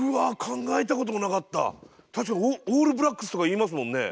うわ確かにオールブラックスとかいいますもんね。